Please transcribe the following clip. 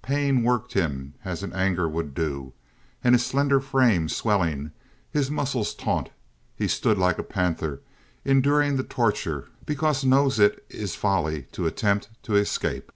Pain worked him as anger would do, and, his slender frame swelling, his muscles taut, he stood like a panther enduring the torture because knows it is folly to attempt to escape.